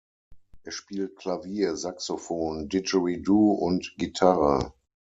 Er spielt Klavier, Saxofon, Didgeridoo und Gitarre.